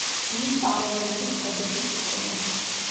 ქმნის პარალელური ქედების სისტემას.